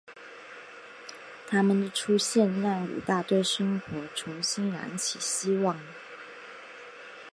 她们的出现让武大对生活重新燃起希望。